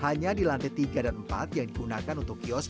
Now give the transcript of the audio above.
hanya di lantai tiga dan empat yang digunakan untuk berjalan ke jalan kaki